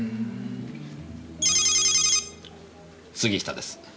杉下です。